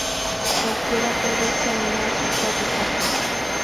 cualquiera puede examinar su código